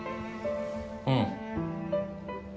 うん。